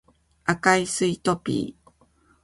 赤いスイートピー